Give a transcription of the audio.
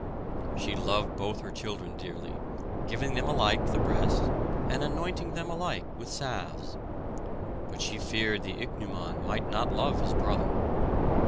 She loved both her children dearly, giving them alike the breast, and anointing them alike with salves. But she feared the ichneumon might not love his brother.